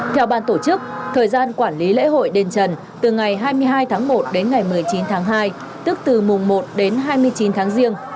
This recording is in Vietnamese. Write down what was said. theo ban tổ chức thời gian quản lý lễ hội đền trần từ ngày hai mươi hai tháng một đến ngày một mươi chín tháng hai tức từ mùng một đến hai mươi chín tháng riêng